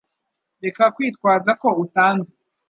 Reka kwitwaza ko utanzi